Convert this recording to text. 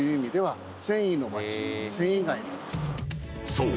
［そう。